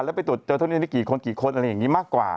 แล้วไปตรวจเจอเท่านี้นี่กี่คนกี่คนอะไรอย่างนี้มากกว่า